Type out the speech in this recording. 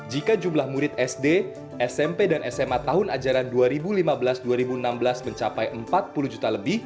jika jumlah murid sd smp dan sma tahun ajaran dua ribu lima belas dua ribu enam belas mencapai empat puluh juta lebih